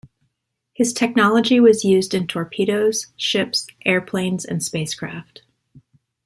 His technology was used in torpedoes, ships, airplanes, and spacecraft.